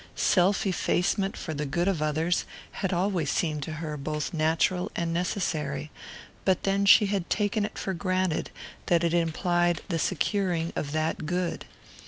Self effacement for the good of others had always seemed to her both natural and necessary; but then she had taken it for granted that it implied the securing of that good.